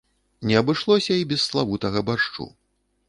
Не абышлося і без славутага баршчу.